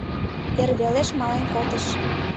Эр велеш мален колтыш.